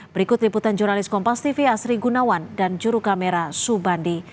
berikut liputan jurnalis kompas tv asri gunawan dan juru kamera subandi